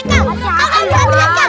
kamu tarik apa